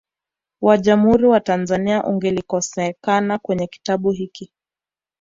wa Jamhuri ya Tanzania ungelikosekana kwenye kitabu hiki